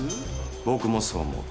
僕もそう思う。